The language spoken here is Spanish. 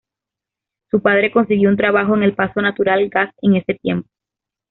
Su padre consiguió un trabajo en El Paso Natural Gas en ese tiempo.